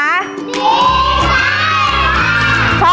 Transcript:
ดีใจค่ะ